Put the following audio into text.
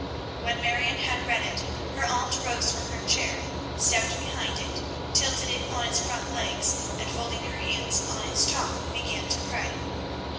When Marion had read it, her aunt rose from her chair, stepped behind it, tilted it on its front legs, and folding her hands on its top began to pray.